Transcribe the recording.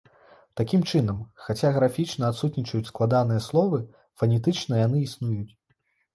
Такім чынам, хаця графічна адсутнічаюць складаныя словы, фанетычна яны існуюць.